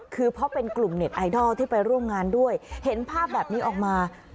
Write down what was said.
คือเพราะเป็นกลุ่มเน็ตไอดอลที่ไปร่วมงานด้วยเห็นภาพแบบนี้ออกมา